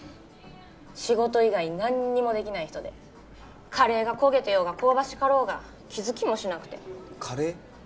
仕事以外何にもできない人でカレーが焦げてようが香ばしかろうが気づきもしなくてカレー？